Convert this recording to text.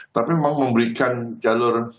tapi memang memberikan jalur